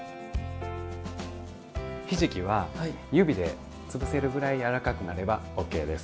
ひじきは指でつぶせるぐらいやわらかくなればＯＫです。